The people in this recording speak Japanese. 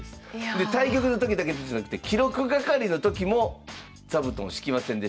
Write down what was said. で対局の時だけじゃなくて記録係の時も座布団敷きませんでした。